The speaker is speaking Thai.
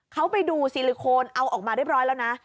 เขาไปดูซิลิโคนเอาออกมาเรียบร้อยแล้วนะ